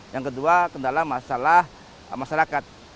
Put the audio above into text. yang kedua kendala masalah masyarakat